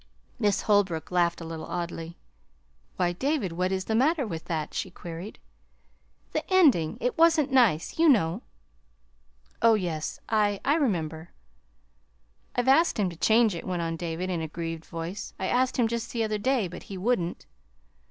Miss Holbrook laughed a little oddly. "Why, David, what is the matter with that?" she queried. "The ending; it wasn't nice, you know." "Oh, yes, I I remember." "I've asked him to change it," went on David, in a grieved voice. "I asked him just the other day, but he wouldn't."